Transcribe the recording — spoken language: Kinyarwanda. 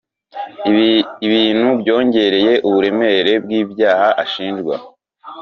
ibintu byongereye uburemere bw’ibyaha ashinjwa